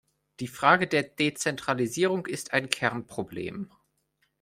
Die Frage der Dezentralisierung ist ein Kernproblem.